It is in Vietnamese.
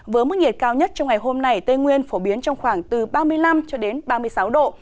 với mức nhiệt cao nhất trong ngày hôm nay tây nguyên phổ biến trong khoảng từ ba mươi năm cho đến ba mươi sáu độ